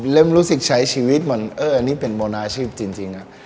เริ่มรู้สึกใช้ชีวิตมันเอออันนี้เป็นโมนาชีพจริง